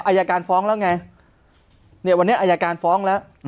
อายการฟ้องแล้วไงเนี่ยวันนี้อายการฟ้องแล้ว